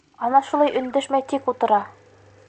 Ана шулай өндәшмәй тик ултыра.